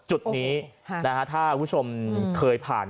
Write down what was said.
จุดนี้ถ้าคุณผู้ชมเคยผ่าน